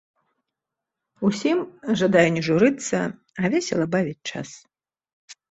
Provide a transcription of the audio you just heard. Усім жадаю не журыцца, а весела бавіць час!